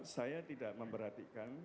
saya tidak memperhatikan